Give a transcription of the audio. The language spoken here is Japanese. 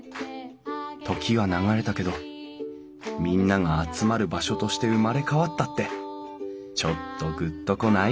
時は流れたけどみんなが集まる場所として生まれ変わったってちょっとグッと来ない？